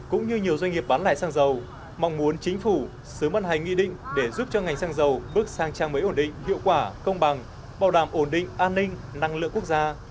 cũng như nhiều doanh nghiệp bán lại xăng dầu mong muốn chính phủ xứ mân hành nghị định để giúp cho ngành xăng dầu bước sang trang mới ổn định hiệu quả công bằng bảo đảm ổn định an ninh năng lượng quốc gia